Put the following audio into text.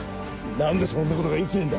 何でそんなことが言い切れんだ？